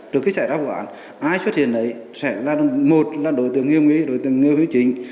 trước khi xảy ra vụ án ai xuất hiện đấy sẽ là một là đội tưởng nghiêm nghị đội tưởng nghiêm huy chính